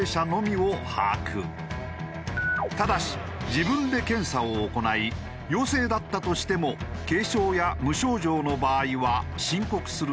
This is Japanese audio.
ただし自分で検査を行い陽性だったとしても軽症や無症状の場合は申告する必要はない。